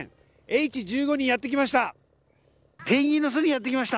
Ｈ１５にやって来ました。